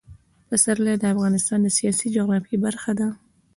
پسرلی د افغانستان د سیاسي جغرافیه برخه ده.